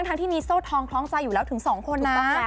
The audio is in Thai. ทั้งที่มีโซ่ทองคล้องใจอยู่แล้วถึงสองคนนะ